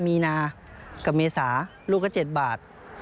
มีนากับเมษาลูกก็๗บาท